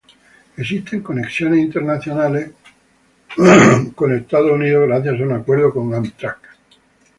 Existen conexiones internacionales con Estados Unidos gracias a un acuerdo con Amtrak.